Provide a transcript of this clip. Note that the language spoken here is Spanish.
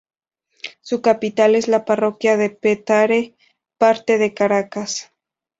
Su capital es la parroquia de Petare parte de Caracas.